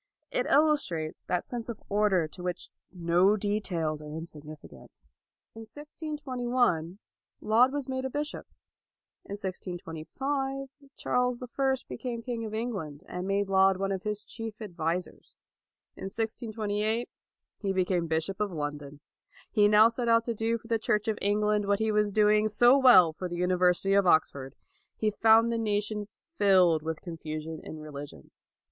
It illustrates that sense of order to which no details are insignificant. In 1621, Laud was made a bishop. In 1625, Charles the First became king of England, and made Laud one of his chief advisers. In 1628, he became bishop of London. He now set out to do for the Church of England what he was doing so well for the University of Oxford. He found the nation filled with confusion in religion.